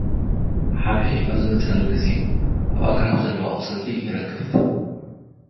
ሓጋይ ኣብ ዝመጸሉ ግዜ፡ ኣብ ኣግራብ ዘለዉ ኣቚጽልቲ ይረግፍ።